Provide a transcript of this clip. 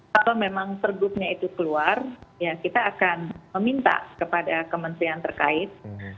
kalau memang pergubnya itu keluar ya kita akan meminta kepada kementerian terkait